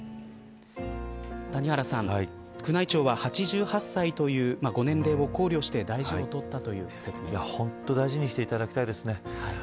谷原さん、宮内庁は８８歳というご年齢を考慮して大事を取ったという説ですが本当に大事にしていただきたいですね。